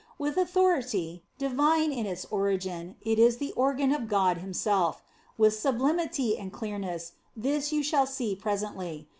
With authority divine in its origin, it is the organ of God Himself. With sublimity and clearness this you shall see presently.